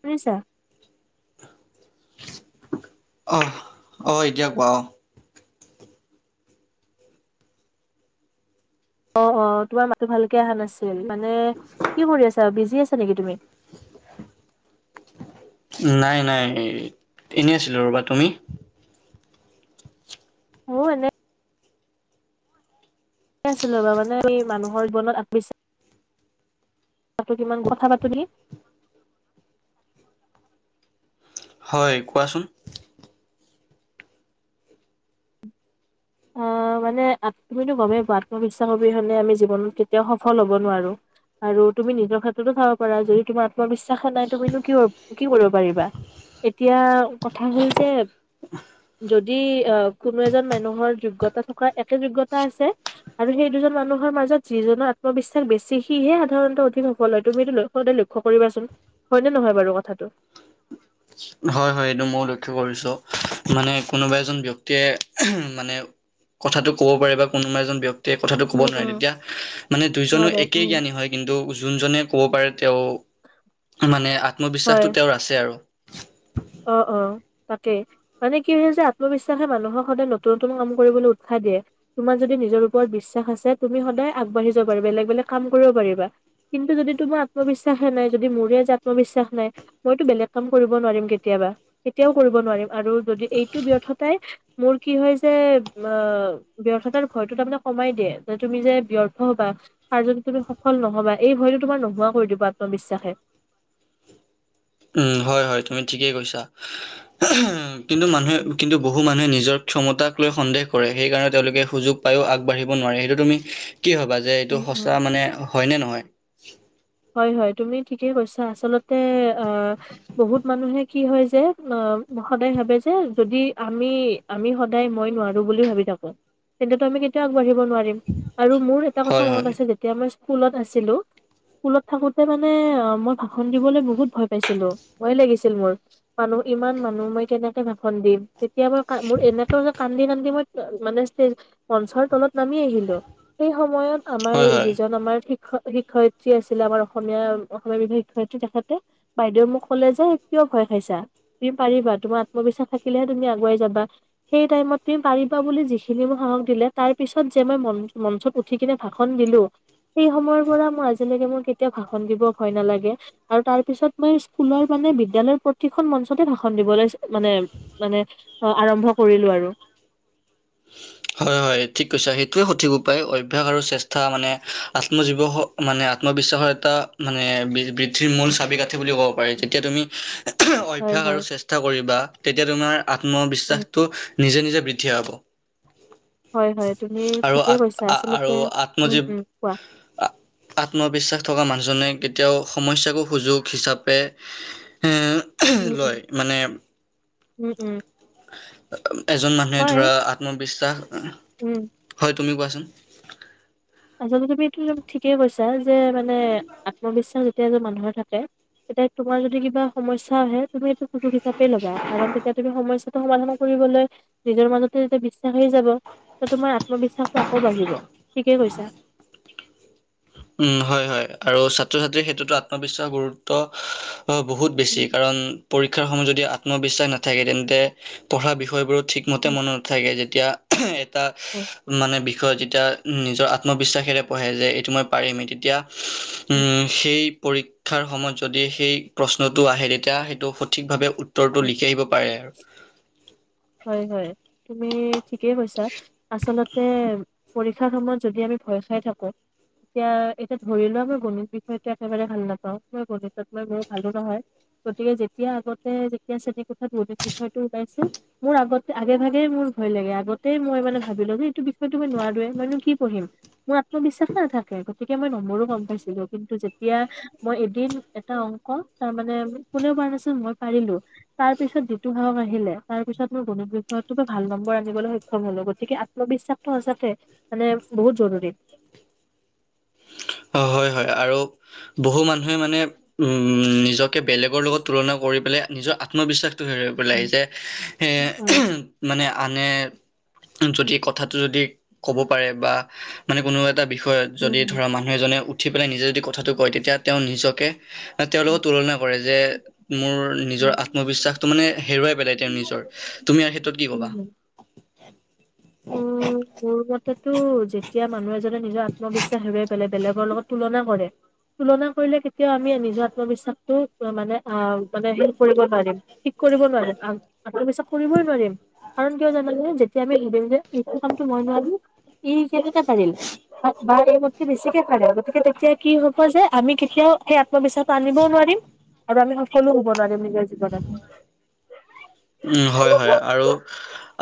শুনিছা? অ, অ, এতিয়া কোৱা। অ, অ, অ, তোমাৰ মাতো ভালকে অহা নাছিল, মানে কি কৰি আছা আৰু বিজি আছ নেকি তুমি? নাই, নাই, এনেই আছিলো, ৰ'বা তুমি? মইয়ো এনে। আছিল ৰব, মানে এই মানুহৰ জৱন আগ তাতো, কিমান কথা [unintelligible] হয়, কোৱাচোন? আহ, মানে তুমিতো গমেই পোৱা, আত্মবিশ্বাস অবি হ'লে আমি জীৱনত কেতিয়াও সফল হ'ব নোৱাৰো। আৰু তুমি নিজৰ ক্ষেততো চাব পাৰা, যদি তোমাৰ আত্মবিশ্বাস নাই, তুমিনো কি কি কৰিব পাৰিবা। এতিয়া কথা হ'ল যে, যদি আহ, কোনো এজন মানুহৰ যোগ্যতা থকা, একে যোগ্যতা আছে। আৰু সেই দুজন মানুহৰ মাজত যিজনৰ আত্মবিশ্বাস বেছি সিহে, সাধাৰণতে অধিক সফল [unintelligible] [inaudible] কৰিবাচোন হয়নে নহয় বাৰু কথাটো? হয়, হয়, এইটো মই লক্ষ কৰিছো, মানে কোনোবা এজন ব্যক্তিয়ে মানে কথাটো ক'ব পাৰে বা কোনোবা এজন ব্যক্তিয়ে কথাটো ক'ব উম, নোৱাৰে, উম, তেতিয়া মানে দুইজনো নোৱাৰে একেই উম। জ্ঞানী হয়। কিন্তু যোনজনে ক'ব পাৰে, তেওঁ মানে হয়। আত্মবিশ্বাসতটো তেওঁৰ আছে আৰু। অ, অ, তাতেই। মানে কি হৈছে, যে আত্মবিশ্বাসে মানুহক সদায় নতুন, নতুন কাম কৰিবলৈ উৎসাহ দিয়ে। তোমাৰ যদি নিজৰ ওপৰত বিশ্বাস আছে, তুমি সদায় আগাবাঢ়ি যাব পাৰিবা, বেলেগ বেলেগ কাম কৰিব পাৰিবা। কিন্তু যদি তোমাৰ আত্মবিশ্বাসে নাই, যদি মোৰে আজি আত্মবিশ্বাস নাই, মইতো বেলেগ কাম কৰিব নোৱাৰিম। কেতিয়াবা, কেতিয়াও কৰিব নোৱাৰিম আৰু যদি এইটো ব্যৰ্থতাই মোৰ কি হয়ছে, অ, ব্যৰ্থতাৰ ভয়টো তাৰমানে কমাই দিয়ে, যে তুমি যে ব্যৰ্থ হ'বা। আৰু যদি তুমি সফল নহ'বা, এই ভয়তো তোমাৰ নোহোৱা কৰি দিবা আত্মবিশ্বাসে। উম, হয়, হয়, তুমি ঠিকেই কৈছা, কিন্তু মানুহে উম, কিন্তু বহু মানুহে নিজৰ ক্ষমতাক লৈ সন্দেহ কৰে, সেইকাৰণে তেওঁলোকে সুযোগ পায়ো আগবাঢ়িব নোৱাৰে সেইটো তুমি কি ভবা? যে এইটো উম, উম। সঁচা মানে, হয়নে নহয়? হয়, হয়, তুমি ঠিকেই কৈছা, আচলতে অ, বহুত মানুহে কি হয় যে, অ, সদায় ভাবে যে যদি আমি আমি সদায় মই নোৱাৰো বুলিও ভাবি থাকো, তেন্তো আমি কেতিয়াও আগবাঢ়ি নোৱাৰিম। আৰু মোৰ এটা কথা হয় মনত হয় আছে, যেতিয়া মই ইস্কুলত আছিলো। ইস্কুলত থাকোতে মানে অ, মই ভাষণ দিবলৈ বহুত ভয় পাইছিলো, ভয় লাগিছিল মোৰ। মানুহ, ইমান মানুহ মই কেনেকে ভাষণ দিম। এতিয়া মই মোৰ এনেকে কান্দি, কান্দি, মই মানে ষ্টেজ, মঞ্চৰ, তলত নামি আহিলো। সেই সময়ত আমাৰ হয় হয় যিজন আমাৰ শিক্ষক শিক্ষয়িত্ৰী ত্ৰি আছিলে আমাৰ অসমীয়া, অসমীয়া বিভি শিক্ষয়িত্ৰী তেখেতে বাইদেউ মোক ক'লে যে কিয় ভয় খাইছা। তুমি পাৰিবা, তোমাৰ আত্মবিশ্বাস থাকিলেহে তুমি আগুৱাই যাবা। সেই টাইমত তুমি পাৰিবা বুলি যিখিনি মোক সাহস দিলে তাৰপিছত যে মই মন মঞ্চত উঠি কিনে ভাষণ দিলোঁ সেই সময়ৰ পৰা মই আজিলৈকে মোৰ কেতিয়াও ভাষণ দিব ভয় নালাগে। আৰু তাৰপিছত মই ইস্কুলৰ বিদ্যালয় প্ৰতিখন মঞ্চতে ভাষণ দিব লৈ মানে মানে অ' আৰম্ভ কৰিলোঁ আৰু। হয় হয় ঠিক কৈছা, সেইটোৱে সঠিক উপায় অভ্যায়স আৰু চেষ্টা মানে আত্মজীৱস মানে আত্মবিশ্বাস এটা মানে বৃদ্ধিৰ মূল চাবিক আঠি বুলি কওঁ কৰে যেতিয়া তুমি হয় অভ্যাস আৰু হয় চেষ্টা কৰিবা তেতিয়া তোমাৰ উম, আত্মবিশ্বাসটো নিজে নিজে বৃদ্ধি পাব। হয় হয়, তুমি আৰু ঠিকেই আত কৈছা, আ- আৰু আচলতে, উম, আত্মজীৱ উম, কোৱা। আত্মবিশ্বাস থকা মানুহজনে কেতিয়াও সমস্যাকো সুযোগ হিচাপে এ, উম উম লয় মানে উম, উম। এজন মানুহে হয় ধৰা আত্মবিশ্বাস উম। হয়, তুমি কোৱাচোন। আচলতে তুমি এইটো ত' ঠিকেই কৈছা যে মানে আত্মবিশ্বাস এতিয়া যে মানুহৰ থাকে, তেতিয়া তোমাৰ যদি কিবা সমস্যা আহে তুমি এইটো সু হিচাপে ল'বা কাৰণ তেতিয়া তুমি সমস্যা ত' সমাধান কৰিবলৈ নিজৰ মাজতে যেতিয়া বিশ্বাস আহি যাব ত' তোমাৰ আত্মবিশ্বাসটো আকৌ বাঢ়িব, ঠিকেই কৈছা। উম, হয় হয়, আৰু ছাত্ৰ ছাত্ৰীৰ ক্ষেত্ৰতো আত্মবিশ্বাস, গুৰুত্ব বহুত বেছি উম কাৰণ পৰীক্ষাৰ সময়ত যদি আত্মবিশ্বাস নাথাকে তেন্তে পঢ়া বিষয়বোৰত ঠিকমতে উম মনত নাথাকে, যেতিয়া এটা হয়। মানে বিষয়ত যেতিয়া নিজৰ আত্মবিশ্বাসেৰে পঢ়ে যে এইটো মই পাৰিমেই তেতিয়া উম, সেই পৰি ক্ষাৰ সময়ত যদি সেই প্ৰশ্নটো আহে তেতিয়া সেইটো সঠিকভাৱে উত্তৰটো উম লিখি আহিব পাৰে আৰু। হয় হয়, তুমি ঠিকেই কৈছা। আচলতে পৰীক্ষাৰ সময়ত যদি আমি ভয় খাই থাকোঁ এতিয়া এতিয়া ধৰি লোৱা মই গণিত বিষয়টো একেবাৰে ভাল নাপাওঁ, মই গণিতত মই বহুত ভালো নহয় গতিকে যেতিয়া আগতে যেতিয়া শ্ৰেণীকোঠাত গণিত বিষয়টো ওলাইছিল মোৰ আগতে, আগে ভাগে মোৰ ভয় লাগে, আগতে মই মানে ভাবিলোঁ যে এইটো বিষয়টো মই নোৱাৰোৱে মইনো কি পঢ়িম। মোৰ আত্মবিশ্বাস নাথাকে গতিকে মই নম্বৰো কম পাইছিলোঁ কিন্তু যেতিয়া মই এদিন এটা অংক তাৰমানে কোনেও পাৰা নাছিল মই পাৰিলোঁ তাৰপিছত যিটো সাহস আহিলে তাৰপিছত মোৰ গণিত বিষয়তো ভাল নম্বৰ আনিবলৈ সক্ষম হ'লোঁ গতিকে আত্মবিশ্বাসটো সচাকে মানে বহুত জৰুৰী। অ', হয় হয় আৰু বহু মানুহে মানে উম, নিজকে বেলেগৰ লগত তুলনা কৰি পেলাই নিজৰ আত্মবিশ্বাসটো হেৰুৱাই পেলাই যে হয় মানে আনে যদি কথাটো যদি ক'ব পাৰে বা মানে কোনো এটা বিষয়ত উম, যদি উম, ধৰা মানুহ এজনে উঠি পেলাই নিজে যদি কথাটো কয় তেতিয়া তেওঁ নিজকে তেওঁৰ লগত তুলনা কৰে যে মোৰ, নিজৰ উম, আত্মবিশ্বাসটো মানে হেৰুৱাই পেলাই তেওঁৰ নিজৰ, তুমি ইয়াৰ ক্ষেত্ৰত কি ক'বা? উম, উম, [inaudible] মোৰ মতেতো, যেতিয়া মানুহ এজনে নিজৰ আত্মবিশ্বাস হেৰুৱাই পেলায়, বেলেগৰ লগত তুলনা কৰে তুলনা কৰিলে, কেতিয়াও আমি নিজৰ আত্মবিশ্বাসটো মানে, মানে, হ্প কৰিব নোৱাৰিম। ঠিক কৰিব নোৱাৰিম, [unintelligible] কৰিবই নোৱাৰিম। কাৰণ, কিয় জানা যেতিয়া আমি টো কামটো মই নোৱাৰিলোঁ, ই কেনেকে পাৰিল। বা এই মুটকে বেছিকে পাৰে, গতিকে তেতিয়া কি হ'ব যে, আমি কেতিয়াও সেই আত্মবিশ্বাস আনিবও নোৱাৰিম। আৰু আমি সফলো হ'ব নোৱাৰিম, নিজৰ জীৱনত। উম, হয়, হয়, আৰু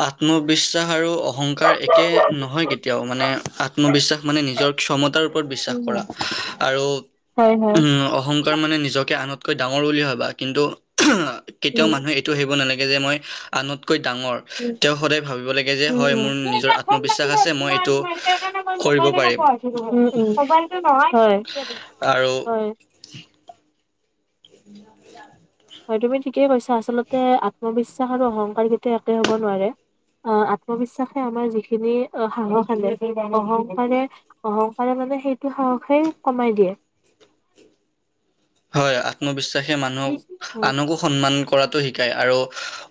আত্মবিশ্বাস আৰু অহংকাৰ একে নহয় কেতিয়াও মানে, আত্মবিশ্বাস মানে নিজৰ ক্ষমতাৰ ওপৰত বিশ্বাস। উম, কৰা, আৰু হয়, হয়। অহং অহংকাৰ মানে নিজকে, আনতকৈ ডাঙৰ বুলি ভাবা, কিন্তু কেতিয়াও উম, মানুহে এইটো ভাবিব নালাগে। এই যে মই আনতকৈ ডাঙৰ। উম, তেওঁ সদায় ভাবিব লাগে যে, উম, হয় উম। মোৰ তুমি নিজৰ এতিয়া ফোন আত্মবিশ্বাস মাৰিলে আছে মই এইটো কৰিব পাৰিম। মোবাইলতটো নহোৱা, হয়। আৰু। হয় [inaudible] হয়, তুমি ঠিকেই কৈছা, আচলতে আত্মবিশ্বাস, আৰু অহংকাৰ কেতিয়াও একে হ'ব নোৱাৰে। অ', আত্মবিশ্বাসে আমাৰ, যিখিনি সাহস আনে, অহংকাৰে অহংকাৰে মানে, সেইটো সাহসে কমাই দিয়ে। হয়, আত্মবিশ্বাসে মানুহক উম, আনকো সন্মান কৰাতো শিকায়। আৰু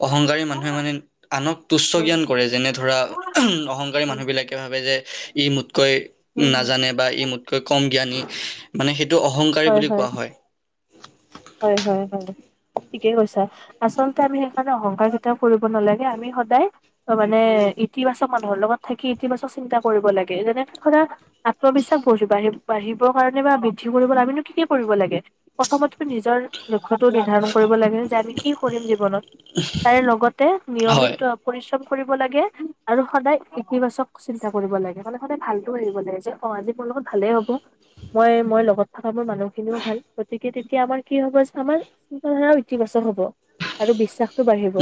অহংকাৰী মানুহে মানে, আনক তুচ্চ উম, জ্ঞান কৰে, যেনে ধৰা অহংকাৰী উম, মানুহবিলাক ভাবে যে, ই মোতকৈ উম, নাজানে বা ই মোতকৈ কম জ্ঞানী। মানে সেইটো অহংকাৰী বুলি কোৱা হয়। হয়, হয়, হয়। ঠিকে কৈছা, আচলতে আমি সেইকাৰণে অহংকাৰ কেতিয়াও কৰিব নালাগে, আমি সদায় মানে, ইতিবাচক মানুহৰ লগত থাকি, ইতিবাচক চিন্তা কৰিব লাগে যেনে ধৰা আত্মবিশ্বাস ব বাঢ় বাঢ়িবৰ কাৰণে বা বৃদ্ধি কৰিব বাবে আমিনু কি কি কৰিব লাগে, প্ৰথমতে নিজৰ লক্ষ্যতো নিৰ্ধাৰণ কৰিব লাগে। যে আমি কি কৰিম জীৱনত, তাৰে লগতে হয় নিয়মিত পৰিশ্ৰম কৰিব লাগে, আৰু সদায় ইতিবাচক চিন্তা কৰিব লাগে, মানে সদায় ভালটো ভাবিব লাগে যে অ', আজি মোৰ লগত ভালেই হ'ব, মই, মই লগত থকা মোৰ মানুহখিনিও ভাল, গতিকে এতিয়া আমাৰ কি হ'ব যে, আমাৰ চিন্তাধাৰাও ইতিবাচক হ'ব, আৰু বিশ্বাস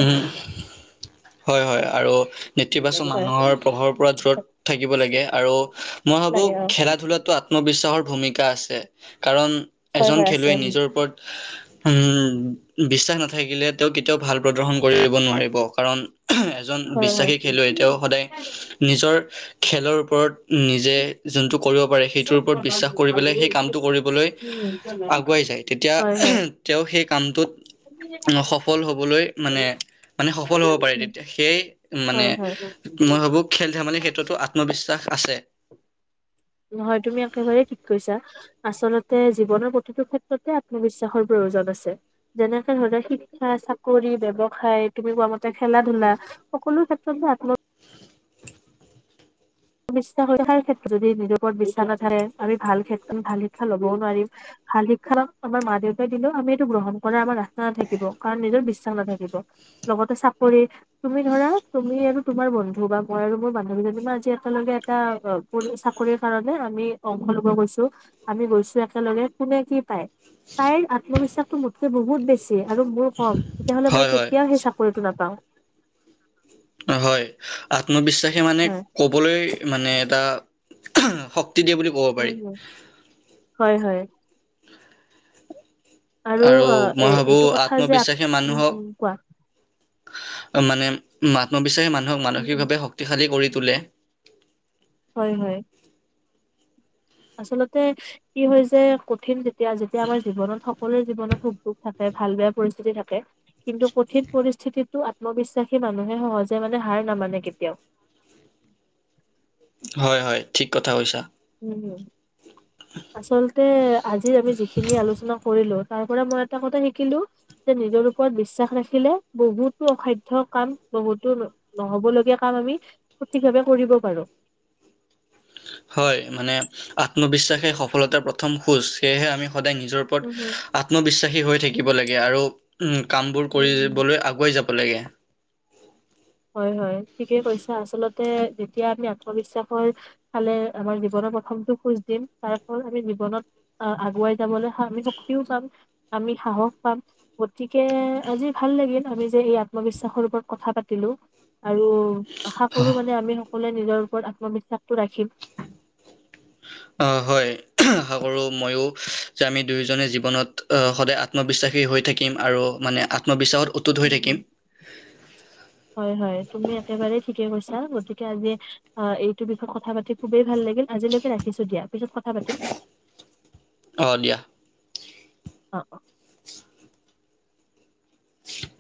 উম, হয়, হয়, আৰু নেতিবাচক হয় মানুহৰ প্ৰভাৱৰ পৰা দূৰত থাকিব লাগে, আৰু মই ভাবো লাগে অ খেলা-ধূলাতো আ আত্মবিশ্বাসৰ ভূমিকা আছে, কাৰণ হয় এজন হয় আছে খেলুৱৈ উম নিজৰ ওপৰত উম, বিশ্বাস নাথাকিলেটো কেতিয়াও ভাল প্ৰদৰ্শন কৰিব নোৱাৰিব, কাৰণ এজন হয় হয় বিশ্বাসী খেলুৱৈ তেওঁ সদায় নিজৰ খেলৰ ওপৰত, নিজে যোনটো কৰিব পাৰে, সেইটোৰ ওপৰত বিশ্বাস কৰি পেলাই, সেই কামটো কৰিবলৈ উম আগুৱাই যায়। তেতিয়া হয় হয় তেওঁ সেই কামটোত, সফল হ'বলৈ মানে, মানে, সফল হ'ব পাৰে তেতিয়া, সেই মানে হয় হয় মই ভাবো, খেল-ধেমালিৰ ক্ষেত্ৰতো, আত্মবিশ্বাস আছে। হয়, তুমি একেবাৰেই ঠিক কৈছা। আচলতে, জীৱনৰ প্ৰতিটো ক্ষেত্ৰতে আত্মবিশ্বাসৰ প্ৰয়োজন আছে। যেনেকে ধৰি লোৱা শিক্ষা, চাকৰি, ব্যৱসায় তুমি কোৱা মতে খেলা ধূলা। সকলো ক্ষেত্ৰত আ [unintelligible] যদি নিজৰ ওপৰত বিশ্বাস নাথাকে, আমি ক্ষে আমি ভাল শিক্ষা ল'বও নোৱাৰিম। ভাল শিক্ষা আমাৰ মা দেউতাই দিলেও আমি এইটো গ্ৰহণ কৰা আমাৰ ৰাস্তা নাথাকিব, কাৰণ নিজৰ বিশ্বাস নাথাকিব। লগতে চাকৰি, তুমি ধৰা, তুমি আৰু তোমাৰ বন্ধু বা মই আৰু মোৰ বান্ধৱীজনী মই আজি একেলগে এটা কৰি চাকৰিৰ কাৰণে আমি অংশ ল'ব গৈছোঁ। আমি গৈছোঁ একেলগে কোনে কি পায়? তাইৰ আত্মবিশ্বাসটো মোতকে বহুত বেছি আৰু মোৰ কম, তেতিয়াহ'লে মই হয় হয় কেতিয়াও সেই চাকৰিটো নাপাওঁ। হয়, আত্মবিশ্বাসে মানে হয় ক ক'লৈ মানে এটা, শক্তি দিয়ে বুলি ক'ব উম, পাৰি হম, হয়, হয়। আৰু অ', এ মই ভাবোঁ এইটো কথা যে আপ আত্মবিশ্বাসে উম, মানুহক উম, কোৱা। মানে আত্মবিশ্বাসে মানুহক উম, উম। মানসিকভাৱে শক্তিশালী কৰি তোলে। হয়, হয়। আচলতে কি হৈছে, কঠিন যেতিয়া, যেতিয়া আমাৰ জীৱনত সক সকলোৰে জীৱনত সুখ দুখ থাকে ভাল বেয়া পৰিস্থিতি থাকে। কিন্তু কঠিন পৰিস্থিতিটো আত্মবিশ্বাসী মানুহে সহজে মানে হাৰ নামানে কেতিয়াও। হয় হয় ঠিক কথা কৈছা। উম, হম, আচলতে আজি আমি যিখিনি আলোচনা কৰিলোঁ তাৰ পৰা মই এটা কথা শিকিলোঁ যে নিজৰ ওপৰত বিশ্বাস ৰাখিলে, বহুতো অসাধ্য কাম বহুতো নহ'ব লগগীয়া কাম আমি সঠিক ভাৱে কৰিব পাৰোঁ। হয় মানে আত্মবিশ্বাসে সফলতাৰ প্ৰথম খোজ সেয়েহে আমি সদায় নিজৰ উম, হুম, ওপৰত আত্মবিশ্বাসী হৈ থাকিব লাগে আৰু উম, কামবোৰ উম, হুম। কৰিবলৈ আগুৱাই যাব লাগে। হয়, হয় ঠিকে কৈছা, আচলতে যেতিয়া আমি আত্মবিশ্বাসৰ ফালে আমাৰ জীৱনৰ প্ৰথমটো খোজ দিম, তাৰ ফল আমি জীৱনত অ' আগুৱাই যাবলৈ আমি শক্তিও পাম আমি সাহস পাম, গতিকে আজি ভাল লাগিল আমি যে এই আত্মবিশ্বাসৰ ওপৰত কথা পাত [unintelligible] আৰু আশা কৰোঁ মানে আমি সকলোৱে নিজৰ ওপৰত আত্মবিশ্বাসটো ৰাখিম। অ' হয়। আশা কৰোঁ ময়ো যে আমি দুয়োজনে জীৱনত সদায় আত্মবিশ্বাসী হৈ থাকিম আৰু মানে আ [unintelligible] উম। [inaudible] হয়, হয় তুমি একেবাৰেই ঠিকে কৈছা গতিকে আজি অ' এইটো বিষয়ত কথা পাতি খুবেই ভাল লাগিল, আজিলৈকে ৰাখিছোঁ দিয়া পিছত কথা পাতিম। অ' দিয়া। অ', অ'। [inaudible]